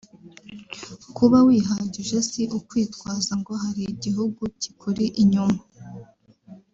Kuba wihagije si ukwitwaza ngo hari igihugu kikuri inyuma